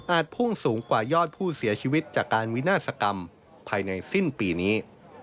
พุ่งสูงกว่ายอดผู้เสียชีวิตจากการวินาศกรรมภายในสิ้นปีนี้